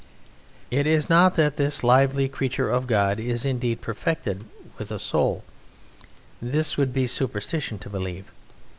It is not that this lively creature of God is indeed perfected with a soul; this it would be superstition to believe.